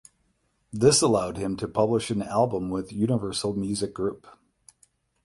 This allowed him to publish an album with Universal Music Group.